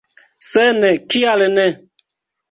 Se ne, kial ne?